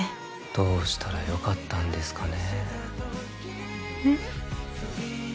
どうしたら良かったんですかね。